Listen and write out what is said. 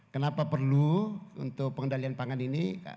kenapa perlu untuk pengendalian pangan ini